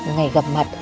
ngày gặp mặt